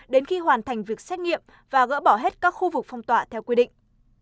đến khi hoàn thành việc xét nghiệm và gỡ bỏ hết các khu vực phong tỏa theo quy định